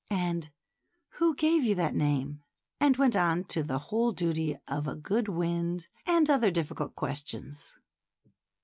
and Who gave you that name ?" and went on to the whole duty of a good wind, and other difficult questions.